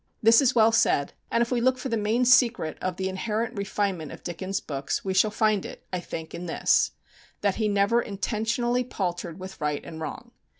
This is well said; and if we look for the main secret of the inherent refinement of Dickens' books, we shall find it, I think, in this: that he never intentionally paltered with right and wrong.